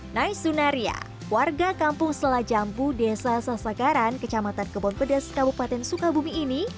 naisunaria warga kampung selajambu desa sasagaran kecamatan kebonpedes kabupaten sukabumi ini